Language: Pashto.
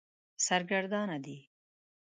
سرګردانه دی.